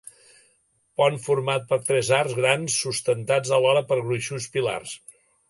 Pont format per tres arcs grans sustentats alhora per gruixuts pilars.